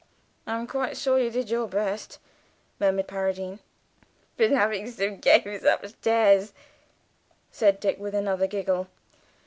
"I am quite sure you did your best," murmured Paradine. "Been having such gamesh upstairs!" said Dick, with another giggle.